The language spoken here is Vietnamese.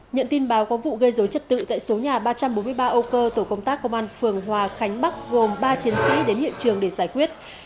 nhận tin báo có vụ gây dối trật tự tại số nhà ba trăm bốn mươi ba âu cơ tổ công tác công an phường hòa khánh bắc gồm ba chiến sĩ đến hiện trường để giải quyết